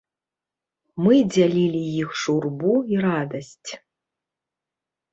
Мы дзялілі іх журбу і радасць.